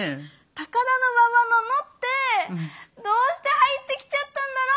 「たかだのばば」の「の」ってどうして入ってきちゃったんだろう？